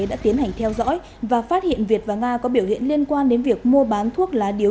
đã tiến hành theo dõi và phát hiện việt và nga có biểu hiện liên quan đến việc mua bán thuốc lá điếu